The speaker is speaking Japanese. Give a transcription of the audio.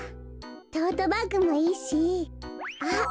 トートバッグもいいしあっ